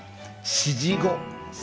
「指示語」？